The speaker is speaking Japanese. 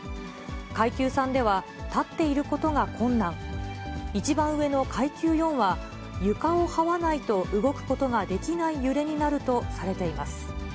階級３では、立っていることが困難、一番上の階級４は、床をはわないと動くことができない揺れになるとされています。